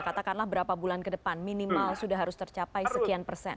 katakanlah berapa bulan ke depan minimal sudah harus tercapai sekian persen